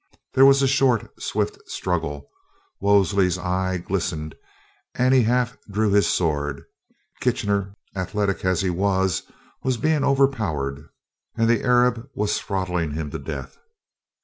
There was a short, swift struggle, Wolseley's eye glistened, and he half drew his sword. Kitchener, athletic as he was, was being overpowered, and the Arab was throttling him to death.